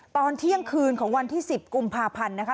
ตอนเที่ยงคืนของวันที่๑๐กุมภาพันธ์นะคะ